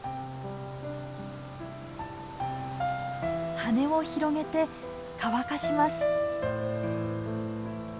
羽を広げて乾かします。